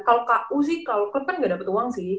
kalau ku sih kalau klub kan nggak dapat uang sih